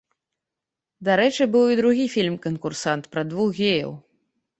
Дарэчы, быў і другі фільм-канкурсант пра двух геяў.